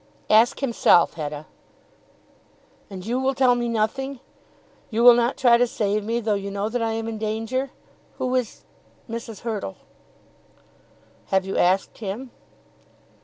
"Ask himself, Hetta." "And you will tell me nothing? You will not try to save me though you know that I am in danger? Who is Mrs. Hurtle?" "Have you asked him?"